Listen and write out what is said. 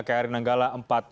kri nanggala empat ratus dua